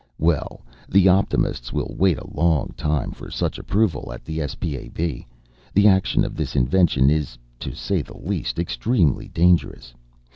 Well, the optimists will wait a long time for such approval at the S.P.A.B. The action of this invention is, to say the least, extremely dangerous.